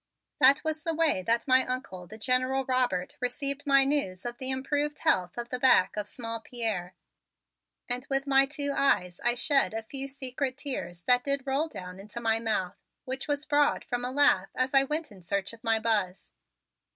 That was the way that my Uncle, the General Robert, received my news of the improved health of the back of small Pierre, and with my two eyes I shed a few secret tears that did roll down into my mouth which was broad from a laugh as I went in search of my Buzz.